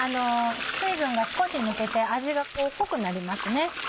水分が少し抜けて味が濃くなりますね。